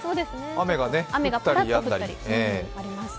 雨が降ったりやんだり。